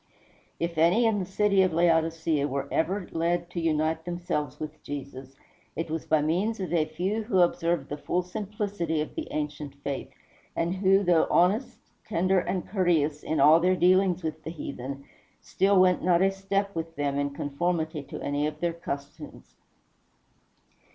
If any in the city of Laodicea were ever led to unite themselves with Jesus, it was by means of a few who observed the full simplicity of the ancient faith, and who, though honest, tender, and courteous in all their dealings with the heathen, still went not a step with them in conformity to any of their customs.